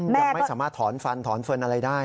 ยังไม่สามารถถอนฟันถอนเฟิร์นอะไรได้